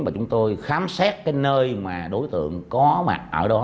và chúng tôi khám xét cái nơi mà đối tượng có mặt ở đó